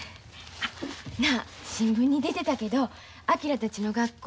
なあ新聞に出てたけど昭たちの学校